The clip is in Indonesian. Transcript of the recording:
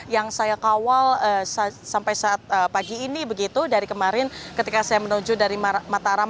yang saya kawal sampai saat pagi ini begitu dari kemarin ketika saya menuju dari mataram